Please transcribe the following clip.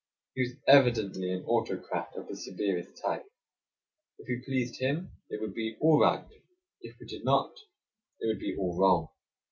He was evidently an autocrat of the severest type; if we pleased him, it would be all right; if we did not, it would be all wrong.